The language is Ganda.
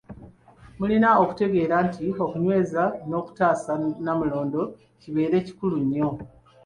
Mulina okutegeera nti okunyweza n'okutaasa Nnamulondo, kibeere kikulu nnyo.